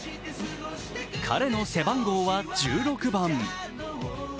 彼の背番号は１６番。